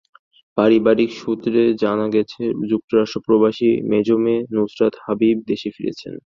পারিবারিক সূত্রে জানা গেছে, যুক্তরাষ্ট্র-প্রবাসী মেজো মেয়ে নুসরাত হাবিব দেশে ফিরছেন।